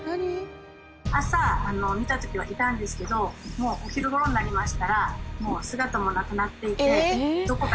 朝見た時はいたんですけどお昼頃になりましたら姿もなくなっていて。